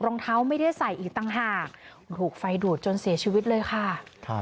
รองเท้าไม่ได้ใส่อีกต่างหากถูกไฟดูดจนเสียชีวิตเลยค่ะครับ